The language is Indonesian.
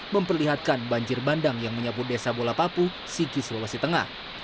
memperlihatkan banjir bandang yang menyapu desa bola papu siki sulawesi tengah